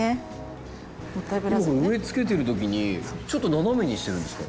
植えつけてる時にちょっと斜めにしてるんですか？